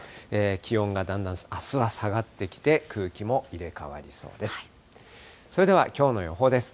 気温がだんだんあすは下がってきて、空気も入れ代わりそうです。